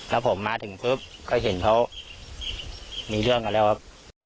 แล้วผมมาถึงปุ๊บก็เห็นเขามีเรื่องกันแล้วครับ